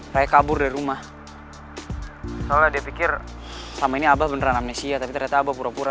saya kabur dari rumah soalnya dia pikir selama ini abah beneran amnesia tapi ternyata abah pura pura